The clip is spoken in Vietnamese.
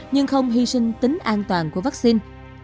nhưng không hy sinh tính an toàn của vaccine